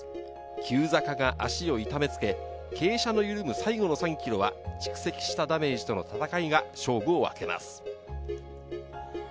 急坂が足を痛め付け、傾斜の緩む最後の３ｋｍは蓄積したダメージとの戦いが勝負を分けます。